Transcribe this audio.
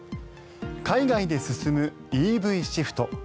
海外で進むＥＶシフト。